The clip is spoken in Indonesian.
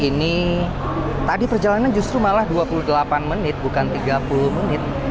ini tadi perjalanan justru malah dua puluh delapan menit bukan tiga puluh menit